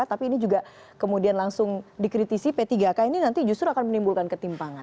tapi ini juga kemudian langsung dikritisi p tiga k ini nanti justru akan menimbulkan ketimpangan